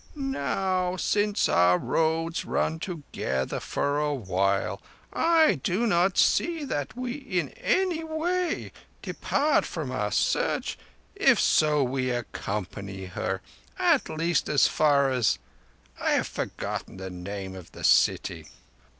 "Now, since our roads run together for a while, I do not see that we in any way depart from our Search if so be we accompany her—at least as far as—I have forgotten the name of the city."